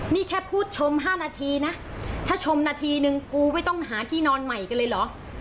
นี่แค่พูดชม๕นาทีนะถ้าชมนาทีนึงกูไม่ต้องหาที่นอนใหม่กันเลยเหรอ